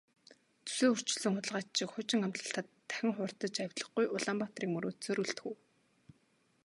Зүсээ өөрчилсөн хулгайч шиг хуучин амлалтад дахин хууртаж авлигагүй Улаанбаатарыг мөрөөдсөөр үлдэх үү?